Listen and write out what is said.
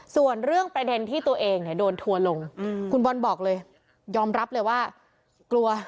ส่วนเรื่องประเด็นที่ตัวเองเนี่ยโดนทัวร์ลงคุณบอลบอกเลยยอมรับเลยว่ากลัว